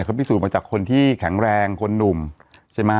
เค้าพิสูจน์มาจากคนที่แข็งแรงคนหนุ่ม